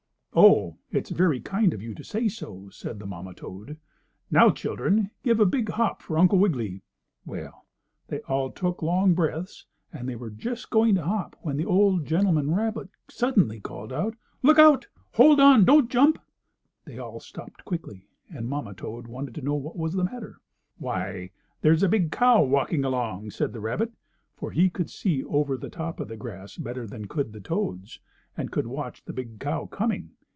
"Oh, it's very kind of you to say so," said the mamma toad. "Now, children, give a big hop for Uncle Wiggily." Well, they all took long breaths, and they were just going to hop when the old gentleman rabbit suddenly called: "Look out! Hold on! Don't jump!" They all stopped quickly, and the mamma toad wanted to know what was the matter. "Why, there is a big cow walking along," said the rabbit, for he could see over the top of the grass better than could the toads, and could watch the big cow coming.